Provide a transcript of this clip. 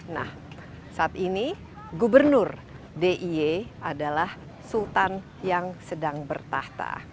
nah saat ini gubernur dia adalah sultan yang sedang bertahta